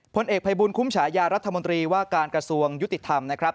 เอกภัยบุญคุ้มฉายารัฐมนตรีว่าการกระทรวงยุติธรรมนะครับ